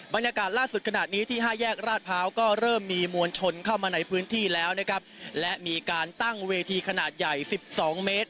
บรรยากาศล่าสุดขนาดนี้ที่ห้าแยกราชพร้าวก็เริ่มมีมวลชนเข้ามาในพื้นที่แล้วนะครับและมีการตั้งเวทีขนาดใหญ่สิบสองเมตร